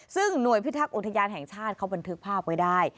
ซึ่งหน่วยพิทักษ์อุทยานแห่งชาติเขาบันทึกภาพไว้ได้